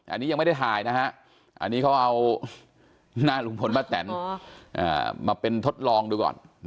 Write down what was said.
อันนี้ยังไม่ได้ถ่ายนะฮะอันนี้เขาเอาหน้าลุงพลป้าแตนมาเป็นทดลองดูก่อน